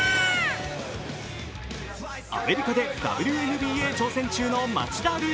アメリカでＷＮＢＡ挑戦中の町田瑠唯。